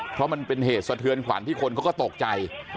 เพราะมันเป็นเหตุสะเทือนขวัญที่คนเขาก็ตกใจ